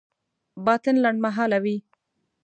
باطل لنډمهاله وي.